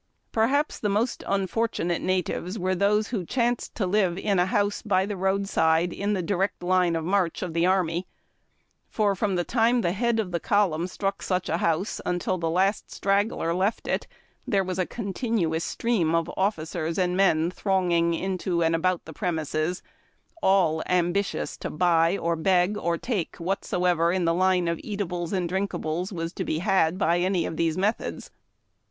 Perhaps the most unfortunate natives were those who chanced to live in a house by the roadside in the direct line of march of the army, for, from the time the head of the column struck such a house until the last straggler left it, there was a continuous stream of officers and men thronging into and about the premises, all ambitious to buy or beg or take whatsoever in the line of eatables and drinkables was to be had by either of these methods.